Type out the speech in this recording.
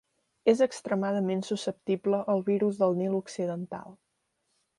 És extremadament susceptible al virus del Nil occidental.